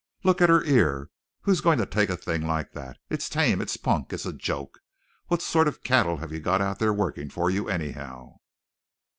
Look at her ear. Whose going to take a thing like that? It's tame! It's punk! It's a joke! What sort of cattle have you got out there working for you, anyhow?